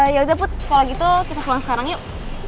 ya udah bu kalau gitu kita pulang sekarang yuk